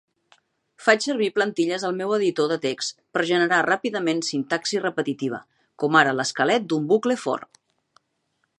Faig servir plantilles al meu editor de text per generar ràpidament sintaxi repetitiva, com ara l'esquelet d'un bucle for.